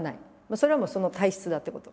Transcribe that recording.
それはもうその体質だってこと？